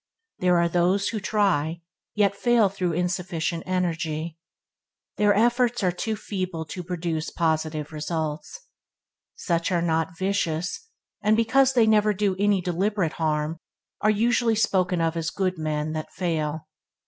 There are those who try, yet fail through insufficient energy. Their efforts are too feeble to produce positive results. Such are not vicious, and because they never do any deliberate harm, are usually spoken of as good men that fail.